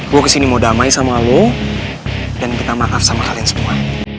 gue kesini mau damai sama lo dan minta maaf sama kalian semua